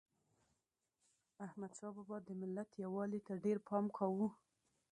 احمدشاه بابا د ملت یووالي ته ډېر پام کاوه.